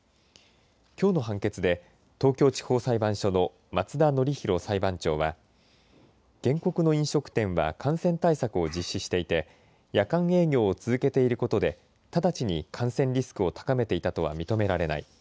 きょうの判決で東京地方裁判所の松田典浩裁判長は原告の飲食店は感染対策を実施していて、夜間営業を続けていることで直ちに感染リスクを高めていたとは認められない。